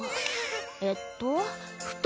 えっと？